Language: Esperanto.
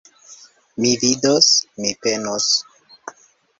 Mi vidos, mi penos.